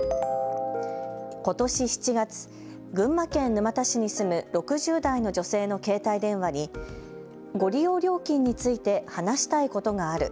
ことし７月、群馬県沼田市に住む６０代の女性の携帯電話にご利用料金について話したいことがある。